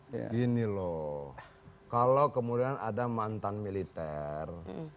begini loh kalau kemudian ada mantan militer